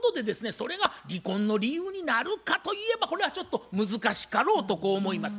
それが離婚の理由になるかといえばこれはちょっと難しかろうとこう思います。